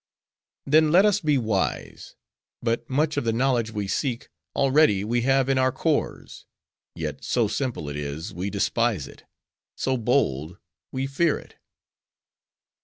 "'Then let us be wise. But much of the knowledge we seek, already we have in our cores. Yet so simple it is, we despise it; so bold, we fear it.